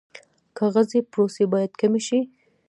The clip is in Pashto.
کاغذي پروسې باید کمې شي